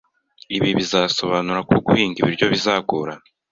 Ibi bizasobanura ko guhinga ibiryo bizagorana.